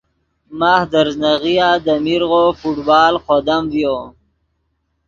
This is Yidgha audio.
ماخ دے ریزناغیا دے میرغو فٹبال خودم ڤیو